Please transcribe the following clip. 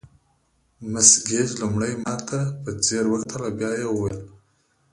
مس ګیج لومړی ماته په ځیر وکتل او بیا یې وویل.